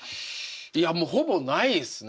いやもうほぼないですね。